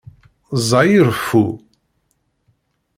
Ẓẓay i reffu!